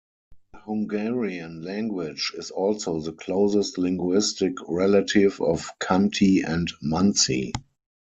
The Hungarian language is also the closest linguistic relative of Khanty and Mansi.